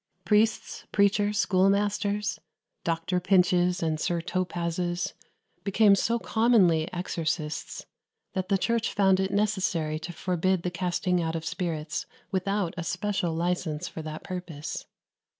Priests, preachers, schoolmasters Dr. Pinches and Sir Topazes became so commonly exorcists, that the Church found it necessary to forbid the casting out of spirits without a special license for that purpose.